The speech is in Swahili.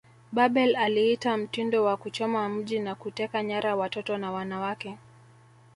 Babel aliita mtindo wa kuchoma mji na kuteka nyara watoto na wanawake